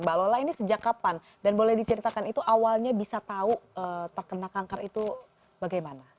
mbak lola ini sejak kapan dan boleh diceritakan itu awalnya bisa tahu terkena kanker itu bagaimana